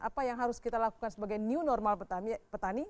apa yang harus kita lakukan sebagai new normal petani